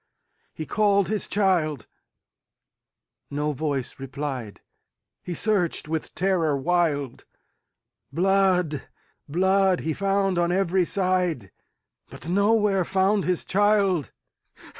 He called his child,—no voice replied,—He searched with terror wild; Blood, blood, he found on every side, But nowhere found his child.